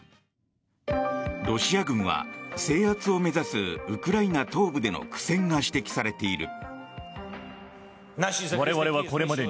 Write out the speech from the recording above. ロシア軍は制圧を目指すウクライナ東部での苦戦が指摘されている。